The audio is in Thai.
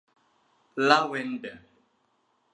ลาเวนเดอร์